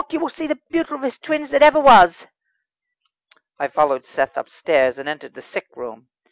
you will see the beautifullest twins that ever was." I followed Seth upstairs, and entered the sick room.